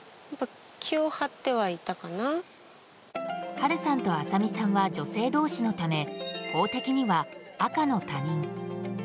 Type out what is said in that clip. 春さんと麻実さんは女性同士のため法的には赤の他人。